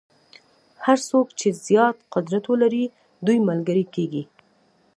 هر څوک چې زیات قدرت ولري دوی ملګري کېږي.